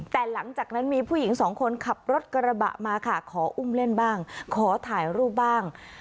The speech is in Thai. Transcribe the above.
แต่หลังจากนั้นมีผู้หญิงสองคนขับรถกระบะมาค่ะขออุ้มเล่นบ้างขอถ่ายรูปบ้าง